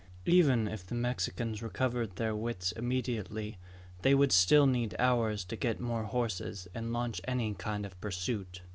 Even if the Mexicans recovered their wits immediately, they would still need hours to get more horses and launch any kind of pursuit.